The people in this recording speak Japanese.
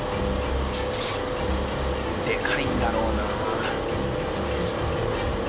でかいんだろうなあ。